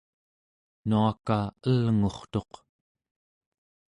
nuaka elngurtuq